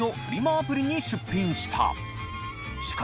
アプリに出品した磴靴